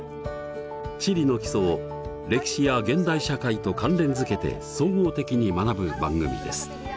地理の基礎を歴史や現代社会と関連づけて総合的に学ぶ番組です。